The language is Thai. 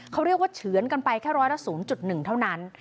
เขาเรียกว่าเฉือนกันไปแค่ร้อยละสูงจุดหนึ่งเท่านั้น